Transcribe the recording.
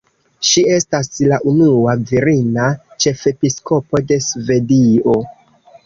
Ŝi estas la unua virina ĉefepiskopo de Svedio.